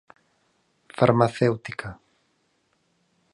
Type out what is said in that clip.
Farmacéutica.